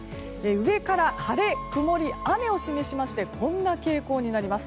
上から晴れ、曇り、雨を示しましてこんな傾向になります。